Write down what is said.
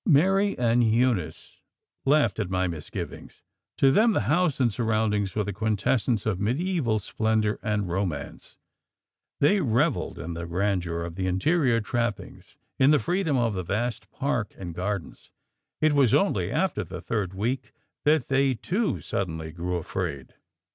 Mary and Eunice laughed at my misgivings; to them the house and surroundings were the quintessence of mediæval splendour and romance; they revelled in the grandeur of the interior trappings, in the freedom of the vast park and gardens; it was only after the third week that they, too, suddenly grew AFRAID.